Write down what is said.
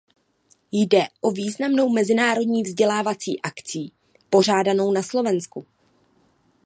Jde o významnou mezinárodní vzdělávací akcí pořádanou na Slovensku.